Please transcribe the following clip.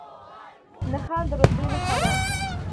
نښان د رتبې نښه ده